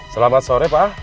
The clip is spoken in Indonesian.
selamat sore pak